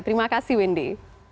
terima kasih windy